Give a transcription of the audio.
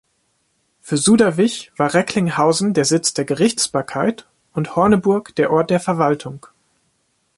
Für Suderwich war Recklinghausen der Sitz der Gerichtsbarkeit und Horneburg der Ort der Verwaltung.